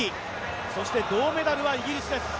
そして銅メダルはイギリスです。